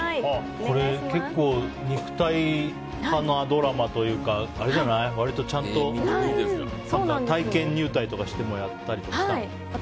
これ、結構肉体派なドラマというか割とちゃんと体験入隊してやったりとかさ。